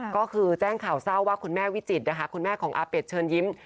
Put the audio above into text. ก็คือแจ้งข่าวเศร้าว่าคุณแม่วิจิตรนะคะคุณแม่ของอาเป็ดเชิญยิ้ม